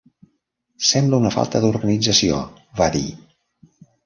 Sembla una falta d'organització, va dir